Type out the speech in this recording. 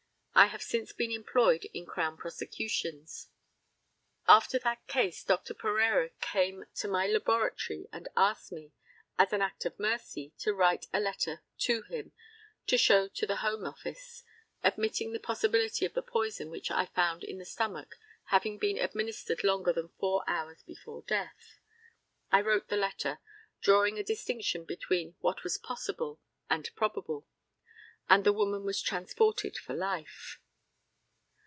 I have since been employed in Crown prosecutions. After that case Dr. Pereira came to my laboratory and asked me, as an act of mercy, to write a letter to him to show to the Home office, admitting the possibility of the poison which I found in the stomach having been administered longer than four hours before death. I wrote the letter, drawing a distinction between what was possible and probable, and the woman was transported for life.